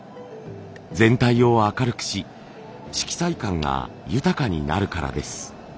全体を明るくし色彩感が豊かになるからです。